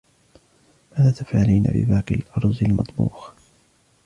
ماذا تفعلين بباقي الارز المطبوخ ؟